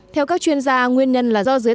theo các chuyên gia nguyên nhân là do dưới